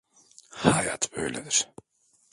Hayat böyledir.